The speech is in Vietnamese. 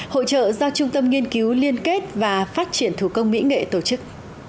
hội trợ do trung tâm nghiên cứu liên kết và phát triển thủ công mỹ nghệ tổ chức